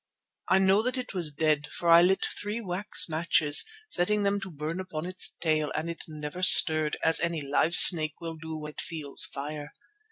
"I know that it was dead, for I lit three wax matches, setting them to burn upon its tail and it never stirred, as any live snake will do when it feels fire.